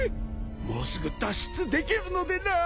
もうすぐ脱出できるのでな。